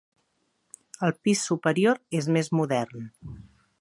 El pis superior és més modern.